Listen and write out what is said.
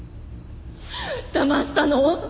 だましたの？